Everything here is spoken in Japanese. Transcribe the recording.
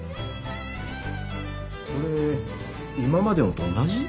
これ今までのと同じ？